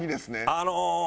あの。